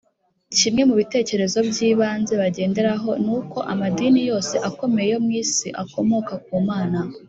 kimwe mu bitekerezo by’ibanze bagenderaho ni uko amadini yose akomeye yo mu isi akomoka ku mana